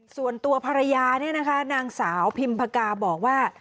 ส่วนตัวภรรยาเนี่ยนะคะนางสาวพิมพกาบอกว่า